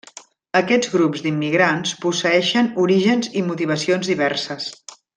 Aquests grups d'immigrants posseeixen orígens i motivacions diverses.